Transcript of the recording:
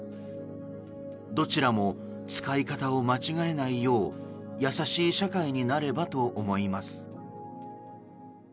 どちらも使い方を間違えないよう優しい社会になればと思います。